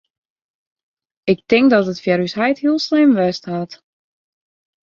Ik tink dat dat foar ús heit heel slim west hat.